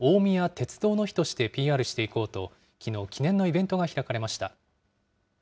鉄道の日としてＰＲしていこうと、きのう、記念のイベントが開かれました。